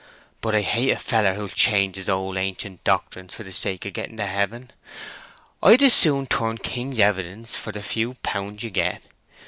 But I hate a feller who'll change his old ancient doctrines for the sake of getting to heaven. I'd as soon turn king's evidence for the few pounds you get.